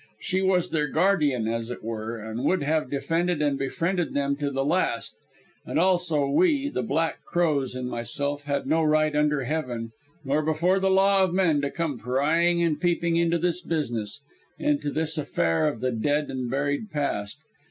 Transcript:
She was their guardian, as it were, would have defended and befriended them to the last; and also we, the Three Black Crows and myself, had no right under heaven, nor before the law of men, to come prying and peeping into this business into this affair of the dead and buried past.